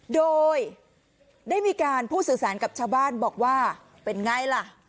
โดยได้มีการพูดสื่อสารกับชาวบ้านบอกว่าเป็นไงล่ะ